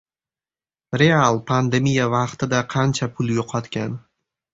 "Real" pandemiya vaqtida qancha pul yo‘qotgan?